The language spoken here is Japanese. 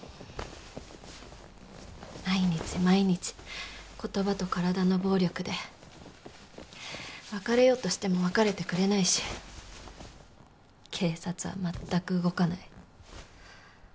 毎日毎日言葉と体の暴力で別れようとしても別れてくれないし警察はまったく動かない。